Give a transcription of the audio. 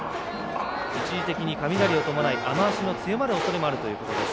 一時的に雷を伴い雨足も強まるおそれもあるということです。